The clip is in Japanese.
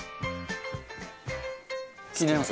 気になります？